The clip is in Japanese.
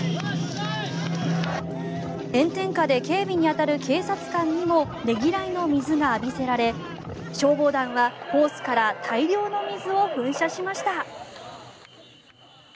炎天下で警備に当たる警察官にもねぎらいの水が浴びせられ消防団はホースから大量の水を噴射しました。